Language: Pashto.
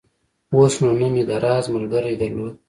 اوس نو نه مې د راز ملګرى درلود.